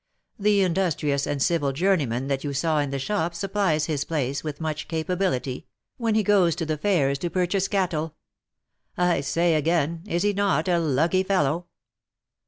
The industrious and civil journeyman that you saw in the shop supplies his place, with much capability, when he goes to the fairs to purchase cattle. I say again, is he not a lucky fellow?"